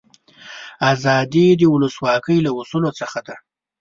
آزادي د ولسواکي له اصولو څخه ده.